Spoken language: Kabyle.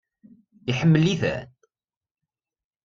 Iḥemmel-iten?